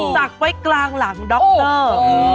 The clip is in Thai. ศักดิ์ไว้กลางหลังด๊อคเตอร์